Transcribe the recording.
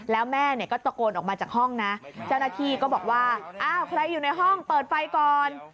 แล้วแม่เนี่ยก็ตะโกนออกมาจากห้องนะเจ้าหน้าที่ก็บอกว่าอ้าวใครอยู่ในห้องเปิดไฟก่อน